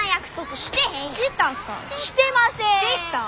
してません！